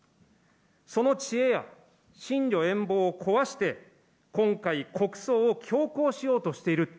その知恵や深慮遠謀を壊して、今回、国葬を強行しようとしている。